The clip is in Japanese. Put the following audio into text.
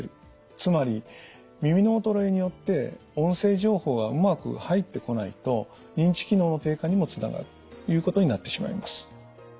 つまり耳の衰えによって音声情報がうまく入ってこないと認知機能の低下にもつながるということになってしまいます。